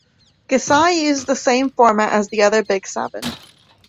Gosei uses the same format as the other big seven.